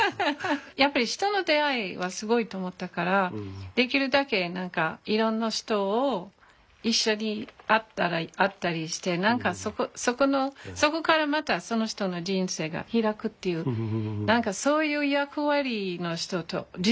やっぱり人の出会いはすごいと思ったからできるだけいろんな人を一緒に会ったりして何かそこからまたその人の人生が開くっていう何かそういう役割の人だと自分でそう思ってる。